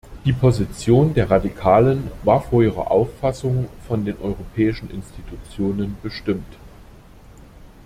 Die Position der Radikalen war von ihrer Auffassung von den europäischen Institutionen bestimmt.